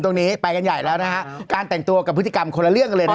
ตรงนี้ไปกันใหญ่แล้วนะฮะการแต่งตัวกับพฤติกรรมคนละเรื่องเลยนะ